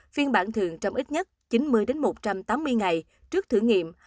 phiên bản thường trong ít nhất chín mươi một trăm tám mươi ngày trước thử nghiệm